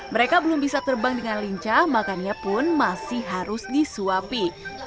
mereka belum bisa terbang dengan lincah makannya pun masih harus disuapi